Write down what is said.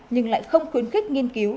nhưng lại không khuyến khích nghiên cứu